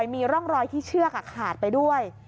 มีร่องรอยที่เชือกขาดไปด้วย